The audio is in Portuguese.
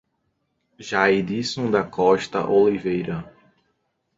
Zaidisson da Costa Oliveira